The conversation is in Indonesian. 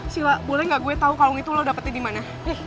sila boleh gak gue tau kalung itu lo dapetin dimana